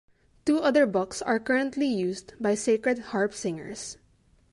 Two other books are currently used by Sacred Harp singers.